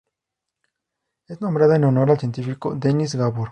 Es nombrada en honor al científico Dennis Gabor.